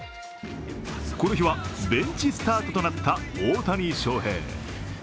この日はベンチスタートとなった大谷翔平。